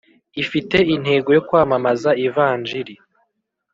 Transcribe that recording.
ifite intego yo kwamamaza Ivanjili